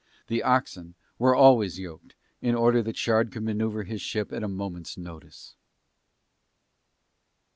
The oxen were always yoked in order that Shard could manoeuvre his ship at a moment's notice.